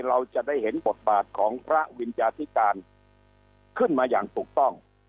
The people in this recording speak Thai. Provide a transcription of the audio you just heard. เราจะได้เห็นบทบาทของพระวิญญาธิการขึ้นมาอย่างถูกต้อง